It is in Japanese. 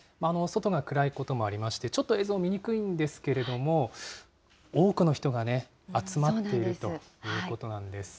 外が暗いこともありまして、ちょっと映像、見にくいんですけれども、多くの人がね、集まっているということなんです。